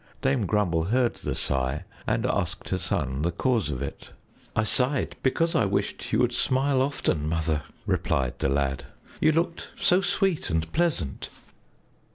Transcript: Dame Grumble heard the sigh, and asked her son the cause of it. "I sighed because I wished you would smile often, Mother," replied the lad. "You looked so sweet and pleasant."